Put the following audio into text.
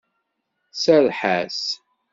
Serreḥ-as!